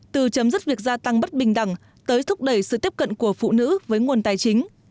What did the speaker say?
từ chấm dứt việc gia tăng bất bình đẳng tới thúc đẩy sự tiếp cận của phụ nữ với nguồn tài chính